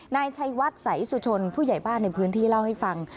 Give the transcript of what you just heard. นายชัยวัดสายสุชนผู้ใหญ่บ้านในพื้นที่เล่าให้ฟัง